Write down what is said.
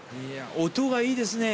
音がいいですね。